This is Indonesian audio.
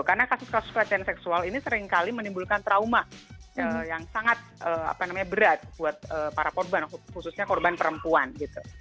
karena kasus kasus pelecehan seksual ini seringkali menimbulkan trauma yang sangat apa namanya berat buat para korban khususnya korban perempuan gitu